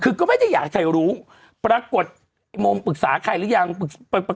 คือก็ไม่ได้อยากใครรู้ปรากฏอีโมมปรึกษาใครรึยังปรไม่ไป